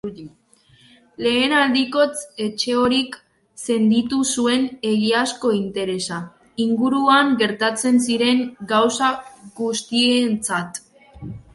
Lehen aldikotz Etxehorik senditu zuen egiazko interesa, inguruan gertatzen ziren gauza guztientzat.